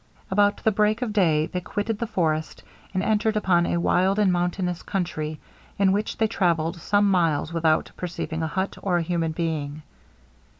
About the break of day they quitted the forest, and entered upon a wild and mountainous country, in which they travelled some miles without perceiving a hut, or a human being.